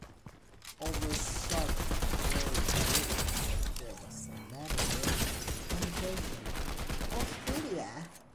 After the Second World War there was another wave of emigration to Australia.